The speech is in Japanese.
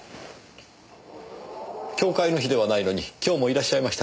教誨の日ではないのに今日もいらっしゃいましたか。